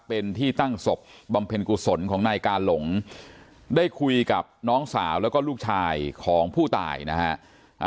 เป็นที่ตั้งศพบำเพ็ญกุศลของนายกาหลงได้คุยกับน้องสาวแล้วก็ลูกชายของผู้ตายนะฮะ